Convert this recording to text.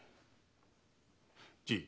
じい。